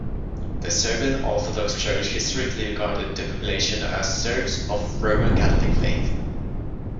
The Serbian Orthodox Church historically regarded the population as "Serbs of Roman Catholic faith".